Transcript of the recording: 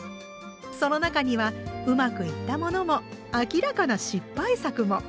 その中にはうまくいったものも明らかな失敗作も。